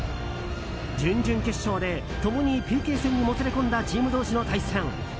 準々決勝で共にＰＫ戦にもつれ込んだチーム同士の対戦。